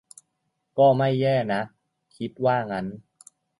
ก็ไม่แย่นะ คิดว่างั้น